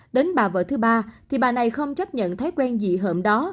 đến bà vợ thứ ba thì bà này không chấp nhận thái quen gì hợm đó